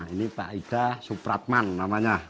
ini pak ida supratman namanya